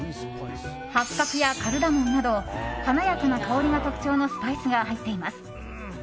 八角やカルダモンなど華やかな香りが特徴のスパイスが入っています。